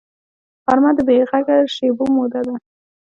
غرمه د بېغږه شېبو موده ده